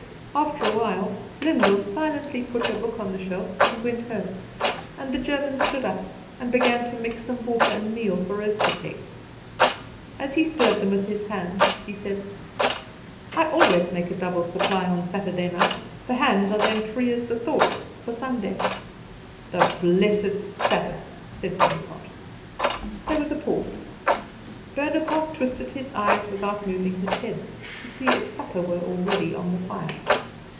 After a while Lyndall silently put her book on the shelf and went home, and the German stood up and began to mix some water and meal for roaster cakes. As he stirred them with his hands he said: "I make always a double supply on Saturday night; the hands are then free as the thoughts for Sunday." "The blessed Sabbath!" said Bonaparte. There was a pause. Bonaparte twisted his eyes without moving his head, to see if supper were already on the fire.